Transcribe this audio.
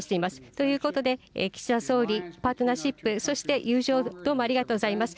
ということで、岸田総理、パートナーシップ、そして友情、どうもありがとうございます。